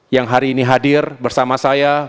yang hari ini hadir bersama saya